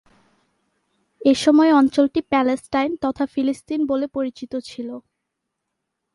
এসময় অঞ্চলটি প্যালেস্টাইন তথা ফিলিস্তিন বলে পরিচিত ছিল।